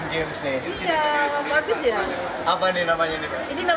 anda harus mendapatkannya